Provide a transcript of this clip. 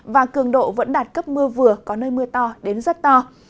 và cường độ vẫn đạt cấp mưa vừa có nơi mưa to đến rất to